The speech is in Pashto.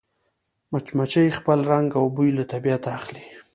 مچمچۍ خپل رنګ او بوی له طبیعته اخلي